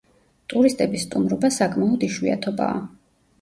ტურისტების სტუმრობა საკმაოდ იშვიათობაა.